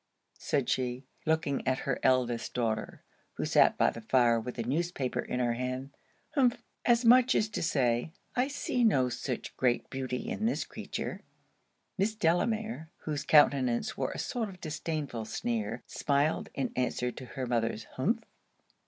said she, looking at her eldest daughter, who sat by the fire with a newspaper in her hand 'humph!' as much as to say, I see no such great beauty in this creature. Miss Delamere, whose countenance wore a sort of disdainful sneer, smiled in answer to her mother's humph!